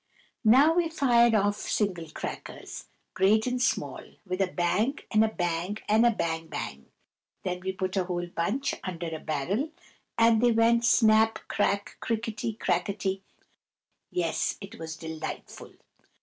Now we fired off single crackers, great and small, with a bang and a bang and a bang bang; then we put a whole bunch under a barrel, and they went snap, crack, crickety, crackety. Yes, it was delightful.